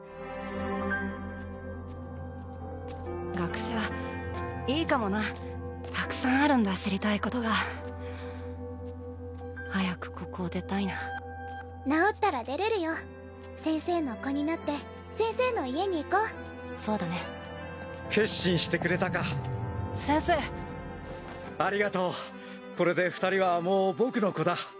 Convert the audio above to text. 私学者いいかもなたくさんあるんだ知りたいことが早くここを出たいな治ったら出れる先生の子になって先生の家に行こうそうだね決心してくれたか先生ありがとうこれで二人はもう僕の子だ。